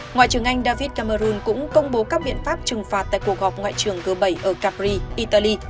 ngoại trưởng anh david cameron cũng công bố các biện pháp trừng phạt tại cuộc họp ngoại trưởng g bảy ở capri italy